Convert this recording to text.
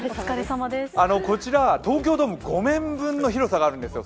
こちら、東京ドーム５面分のコースがあるんですよ。